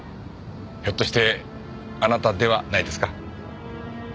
ひょっとしてあなたではないですか？